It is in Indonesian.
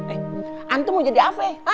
eh antum mau jadi av